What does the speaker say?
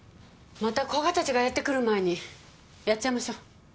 また古賀たちがやって来る前にやっちゃいましょう。